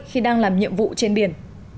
khi đang làm nhiệm vụ trên biển